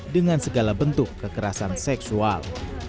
senggala bentuk kekerasan seksual